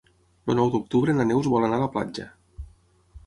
El nou d'octubre na Neus vol anar a la platja.